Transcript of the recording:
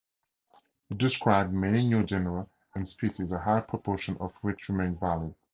He described many new genera and species, a high proportion of which remain valid.